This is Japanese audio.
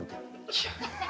いや。